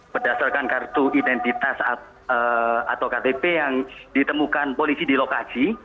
berdasarkan kartu identitas atau ktp yang ditemukan polisi di lokasi